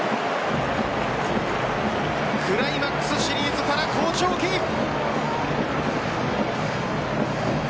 クライマックスシリーズから好調キープ。